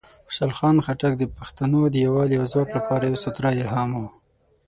خوشحال خان خټک د پښتنو د یوالی او ځواک لپاره یوه ستره الهام وه.